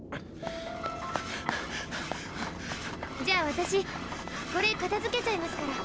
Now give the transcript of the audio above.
じゃあ私これかたづけちゃいますから。